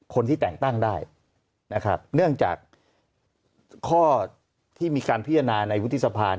คนที่แต่งตั้งได้นะครับเนื่องจากข้อที่มีการพิจารณาในวุฒิสภา